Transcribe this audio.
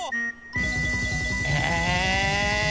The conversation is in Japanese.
へえ！